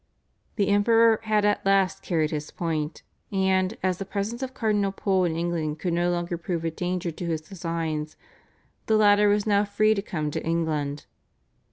The Emperor had at last carried his point, and, as the presence of Cardinal Pole in England could no longer prove a danger to his designs, the latter was now free to come to England.